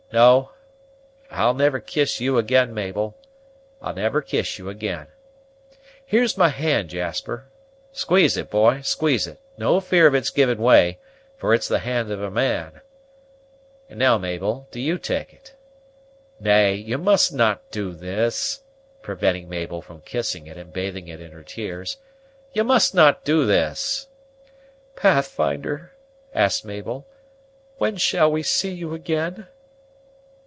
No, I'll never kiss you ag'in, Mabel, I'll never kiss you ag'in. Here's my hand, Jasper, squeeze it, boy, squeeze it; no fear of its giving way, for it's the hand of a man; and now, Mabel, do you take it, nay, you must not do this," preventing Mabel from kissing it and bathing it in her tears, "you must not do this " "Pathfinder," asked Mabel, "when shall we see you again?"